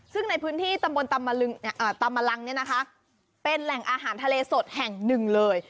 ซึ่งในพื้นที่ตำบลตำมะลังเนี่ยนะคะเป็นแหล่งอาหารทะเลสดแห่งหนึ่งเลย